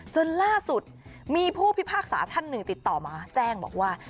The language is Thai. จนล่าสุดมีผู้พิพากษาท่านหนึ่งติดต่อมาแจ้งบอกว่า